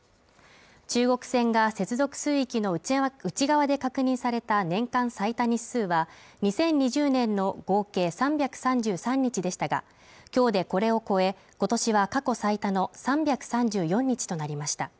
中国船が接続水域の内側で確認された年間最多日数は２０２０年の合計３３３日でしたが、今日でこれを超え、今年は過去最多の３３４日となりました。